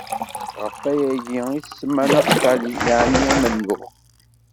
Ɣef wayagi i s-tsemma Naftali, yeɛni amennuɣ.